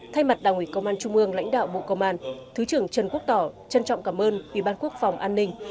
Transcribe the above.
thay mặt đảng ủy công an trung ương lãnh đạo bộ công an thứ trưởng trần quốc tỏ trân trọng cảm ơn ủy ban quốc phòng an ninh